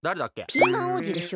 ピーマン王子でしょ。